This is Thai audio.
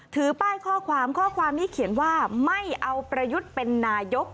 ถือป้ายข้อความข้อความนี้เขียนว่าไม่เอาประยุทธ์เป็นนายก